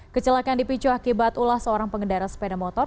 kecelakaan dipicu akibat ulah seorang pengendara sepeda motor